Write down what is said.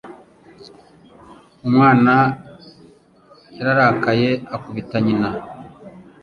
Umwana yararakaye akubita nyina.